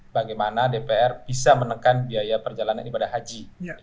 bagaimana dpr bisa menekan biaya perjalanan ini pada haji